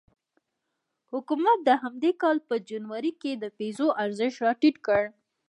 حکومت د همدې کال په جنوري کې د پیزو ارزښت راټیټ کړ.